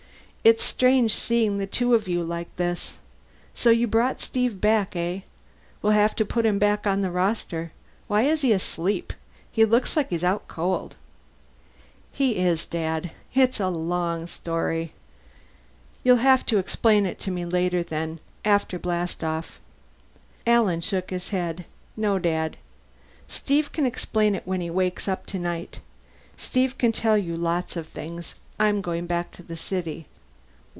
"It's strange, seeing the two of you like this. So you brought back Steve, eh? We'll have to put him back on the roster. Why is he asleep? He looks like he's out cold." "He is. It's a long story, Dad." "You'll have to explain it to me later, then after blastoff." Alan shook his head. "No, Dad. Steve can explain it when he wakes up, tonight. Steve can tell you lots of things. I'm going back to the city."